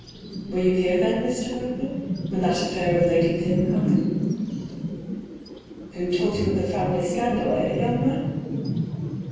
" Were you here then, Mr. Mervyn ? When that affair of Lady Pym happened?" " Who told you of the family scandal, eh, young man?"